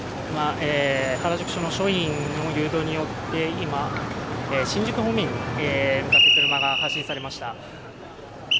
原宿署の署員の誘導によって、今、新宿方面に向かって車が走り去りました。